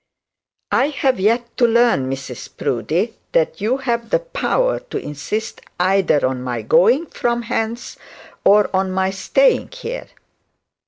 'I have yet to learn, Mrs Proudie, that you have the power to insist either on my going from hence or on my staying here.'